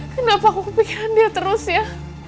kenapa aku kepikiran dia terus ya